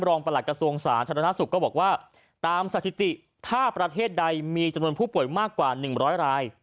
ประหลักกระทรวงสาธารณสุขก็บอกว่าตามสถิติถ้าประเทศใดมีจำนวนผู้ป่วยมากกว่า๑๐๐ราย